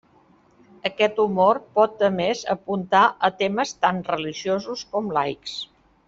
Aquest humor pot a més apuntar a temes tant religiosos com laics.